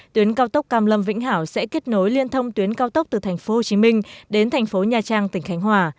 tuyến cao tốc cam lâm vĩnh hảo sẽ kết nối liên thông tuyến cao tốc từ thành phố hồ chí minh đến thành phố nha trang tỉnh khánh hòa